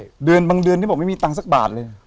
ใช่เดือนบางเดือนที่บอกไม่มีตังค์สักบาทเลย